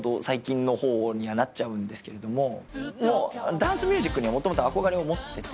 ダンスミュージックにもともと憧れを持ってて。